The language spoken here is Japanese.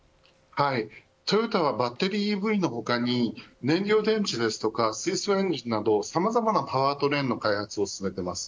トヨタはバッテリーＥＶの他に燃料電池ですとか水素エンジンなどさまざまなパワートレインの開発を進めています。